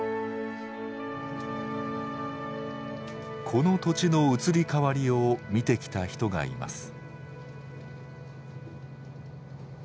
この土地の移り変わりを見てきた人がいます。